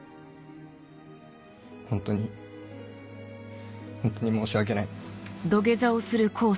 ホントにホントに申し訳ない。